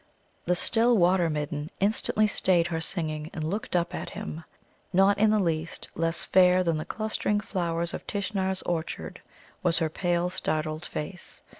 The still Water midden instantly stayed her singing and looked up at him. Not in the least less fair than the clustering flowers of Tishnar's orchard was her pale startled face.